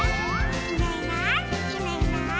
「いないいないいないいない」